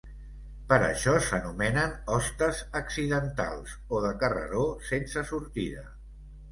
Per això s'anomenen hostes accidentals o de carreró sense sortida.